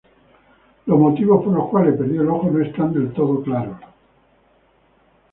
Los motivos por los cuales perdió el ojo no están del todo claros.